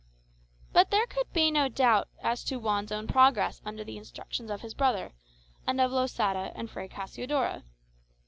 Put there could be no doubt as to Juan's own progress under the instructions of his brother, and of Losada and Fray Cassiodoro.